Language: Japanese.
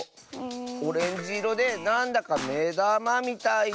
オレンジいろでなんだかめだまみたいな。